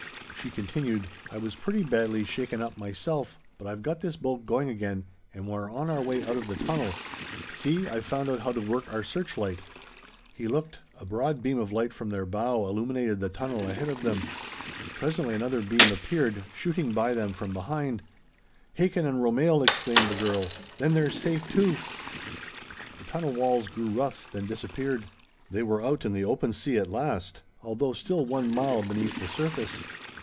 She continued, "I was pretty badly shaken up myself, but I've got this boat going again, and we're on our way out of the tunnel. See I've found out how to work our searchlight." He looked. A broad beam of light from their bow, illuminated the tunnel ahead of them. Presently another beam appeared, shooting by them from behind. "Hakin and Romehl!" exclaimed the girl. "Then they're safe, too!" The tunnel walls grew rough, then disappeared. They were out in the open sea at last, although still one mile beneath the surface.